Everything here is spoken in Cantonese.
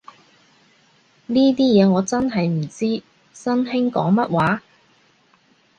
呢啲嘢我真係唔知，新興講乜話